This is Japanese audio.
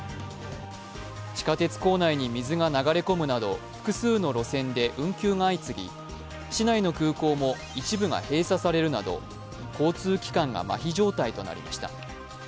地下鉄構内に水が流れ込むなど複数の路線で運休が相次ぎ市内の空港も一部が閉鎖されるなど交通機関がまひ状態となりました。